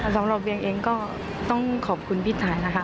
สำหรับเวียงเองก็ต้องขอบคุณพี่ไทยนะคะ